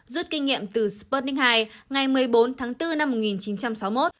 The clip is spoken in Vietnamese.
rút kinh nghiệm từ sputnik hai ngày một mươi bốn tháng bốn năm một nghìn chín trăm sáu mươi một